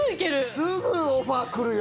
すぐオファー来るよ！